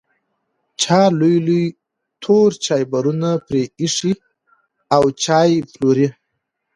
چا لوی لوی تور چایبرونه پرې ایښي او چای پلوري.